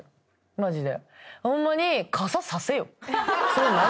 マジで。